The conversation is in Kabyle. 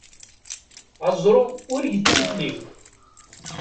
Aẓru ur yettifliw.